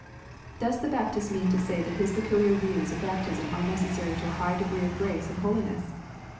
Does the Baptist mean to say that his peculiar views of baptism are necessary to a high degree of grace and holiness